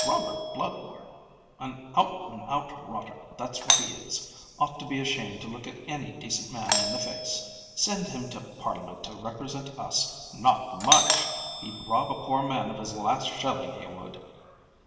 "Robert Bludward? An out an' out rotter, that's what he is. Ought to be ashamed to look any decent man in the face. Send him to Parliament to represent us—not much! He'd rob a poor man of his last shilling, he would."